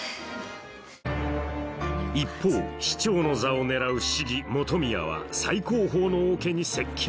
一方市長の座を狙う市議本宮は最高峰のオケに接近